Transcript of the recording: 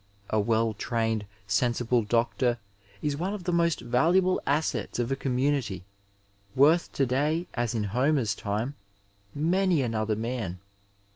A well trained, sensible doctor is one of the most valuable assets of a community, worth to day, as in Homer's time, many another man.